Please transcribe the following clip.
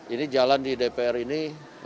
ini jalan di dpr ini